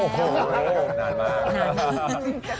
โอ้โหนานมาก